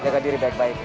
jaga diri baik baik